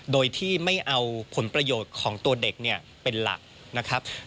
โดยที่ไม่เอาผลประโยชน์ของตัวเด็กเนี่ยเป็นหลักนะครับ